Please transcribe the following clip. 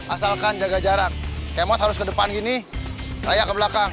asalkan jaga jarak hemot harus ke depan gini raya ke belakang